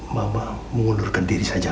mama mengundurkan diri saya